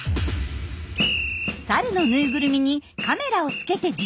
サルのぬいぐるみにカメラをつけて実験。